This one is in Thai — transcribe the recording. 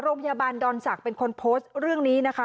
โรงพยาบาลดอนศักดิ์เป็นคนโพสต์เรื่องนี้นะคะ